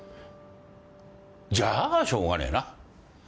じゃあしょうがねえな。